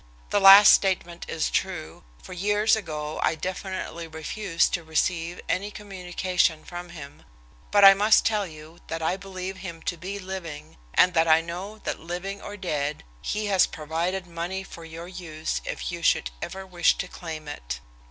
The last statement is true, for years ago I definitely refused to receive any communication from him, but I must tell you that I believe him to be living, and that I know that living or dead he has provided money for your use if you should ever wish to claim it.